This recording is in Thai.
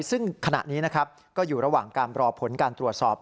ซึ่งขณะนี้นะครับก็อยู่ระหว่างการรอผลการตรวจสอบ